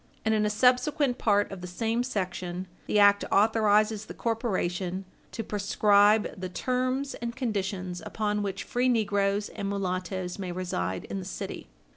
And in a subsequent part of the same section, the act authorizes the corporation "to prescribe the terms and conditions upon which free negroes and mulattoes may reside in the city."